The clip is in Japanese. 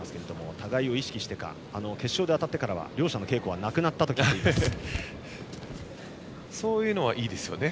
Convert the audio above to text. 互いを意識してからか決勝で当たってから両者の稽古はそういうのはいいですよね。